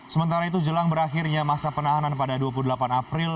sementara itu jelang berakhirnya masa penahanan pada dua puluh delapan april